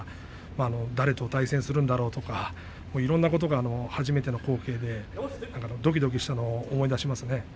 誰と対戦するんだろうとかいろんなことが初めての光景でどきどきしたのを思い出しますね。